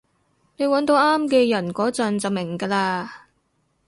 你搵到啱嘅人嗰陣就明㗎喇